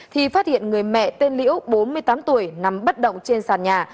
thì phát hiện người mẹ tên liễu bốn mươi tám tuổi nằm bất động trên sàn nhà